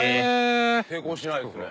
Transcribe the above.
抵抗しないですね。